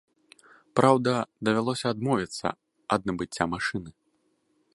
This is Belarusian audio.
Праўда, давялося адмовіцца ад набыцця машыны.